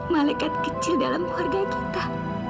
malaikat kecil dalam keluarga kita